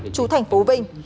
chú thành phố vinh